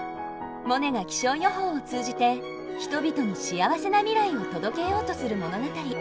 モネが気象予報を通じて人々に幸せな未来を届けようとする物語。